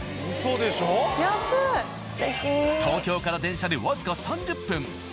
東京から電車でわずか３０分。